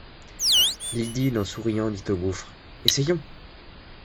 L'idylle en souriant dit au gouffre : Essayons !